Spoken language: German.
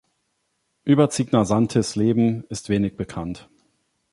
Über Cigna-Santis Leben ist wenig bekannt.